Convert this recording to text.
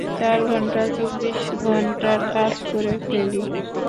চার ঘন্টায় ছব্বিশ ঘন্টার কাজ করে ফেলি।